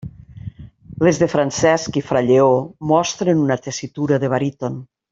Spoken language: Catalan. Les de Francesc i fra Lleó mostren una tessitura de baríton.